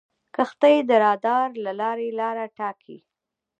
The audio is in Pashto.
کښتۍ د رادار له لارې لاره ټاکي.